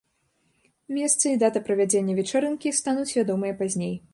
Месца і дата правядзення вечарынкі стануць вядомыя пазней.